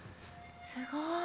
すごい。